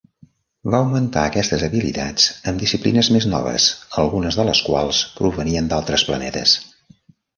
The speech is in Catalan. Va augmentar aquestes habilitats amb disciplines més noves, algunes de les quals provenien d'altres planetes.